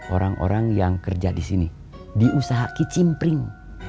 orang orang yang kerja di sini diusaha kicimpring